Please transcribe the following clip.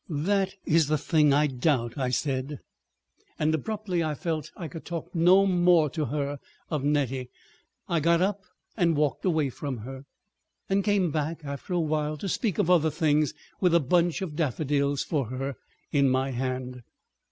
"That is the thing I doubt," I said, and abruptly I felt I could talk no more to her of Nettie. I got up and walked away from her, and came back after a while, to speak of other things, with a bunch of daffodils for her in my hand.